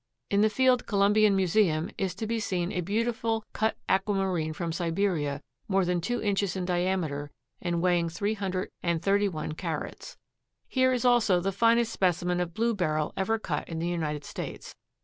In the Field Columbian Museum is to be seen a beautiful cut aquamarine from Siberia more than two inches in diameter and weighing three hundred and thirty one carats. Here is also the finest specimen of blue Beryl ever cut in the United States.